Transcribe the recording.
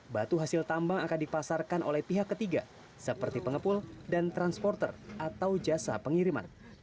batu hasil tambang akan dipasarkan oleh pihak ketiga seperti pengepul dan transporter atau jasa pengiriman